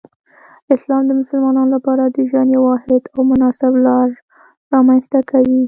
اسلام د مسلمانانو لپاره د ژوند یو واحد او مناسب لار رامنځته کوي.